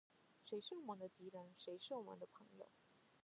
谁是我们的敌人？谁是我们的朋友？